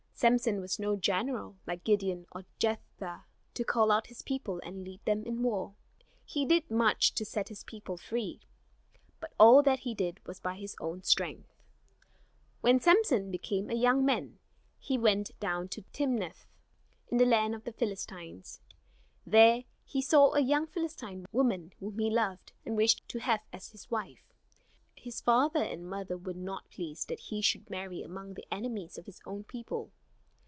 Samson was no general, like Gideon or Jephthah, to call out his people and lead them in war. He did much to set his people free; but all that he did was by his own strength. When Samson became a young man he went down to Timnath, in the land of the Philistines. There he saw a young Philistine woman whom he loved, and wished to have as his wife. His father and mother were not pleased that he should marry among the enemies of his own people.